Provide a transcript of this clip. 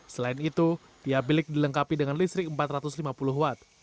selain itu tiap bilik dilengkapi dengan listrik empat ratus lima puluh watt